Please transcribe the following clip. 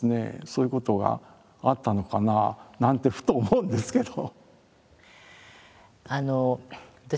そういうことがあったのかなあなんてふと思うんですけど。